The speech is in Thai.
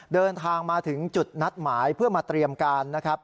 เดินทางมาถึงจุดนัดหมายเพื่อมาเตรียมการนะครับ